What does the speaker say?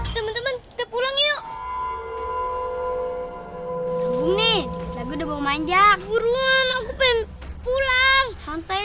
temen temen pulang yuk ini lagu bawa manjak burung aku pengen pulang santai